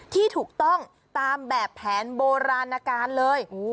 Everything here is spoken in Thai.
ที่ถูกต้องตามแบบแผนโบราณการเลย